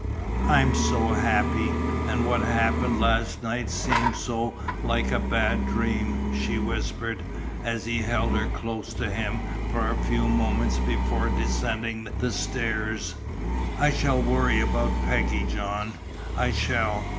"I'm so happy, and what happened last night seems so like a bad dream," she whispered, as he held her close to him for a few moments before descending the stairs. "I shall worry about Peggy, John. I shall.